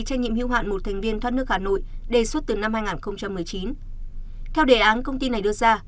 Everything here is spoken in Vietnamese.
trách nhiệm hưu hạn một thành viên thoát nước hà nội đề xuất từ năm hai nghìn một mươi chín theo đề án công ty này đưa ra